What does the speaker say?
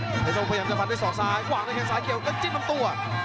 เพชรตั้งบ้านพยายามจะพันด้วยสองซ้ายขวางด้วยกันซ้ายเกี่ยวกันจิ้นลำตัว